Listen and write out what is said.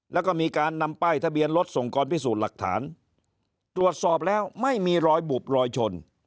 แล้วก็มีการนำป้ายทะเบียนรถส่งกรพิสูจน์หลักฐานตรวจสอบแล้วไม่มีรอยบุบรอยชน